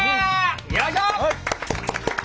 よいしょ！